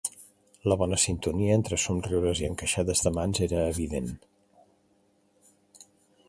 La bona sintonia, entre somriures i encaixades de mans, era evident.